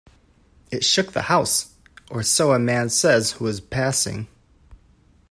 It shook the house, or so a man says who was passing.